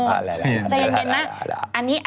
ใจเย็นนะ